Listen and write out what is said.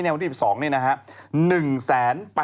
วันที่๒๒นี้นะฮะ